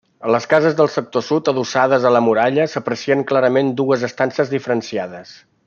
A les cases del sector sud, adossades a la muralla, s'aprecien clarament dues estances diferenciades.